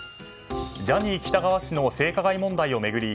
ジャニー喜多川氏の性加害問題を巡り